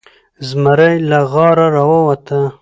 زمری له غاره راووته.